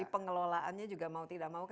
pengelolaannya juga mau tidak mau